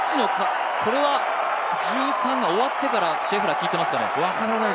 これは１３が終わってからシェフラー聞いてますかね。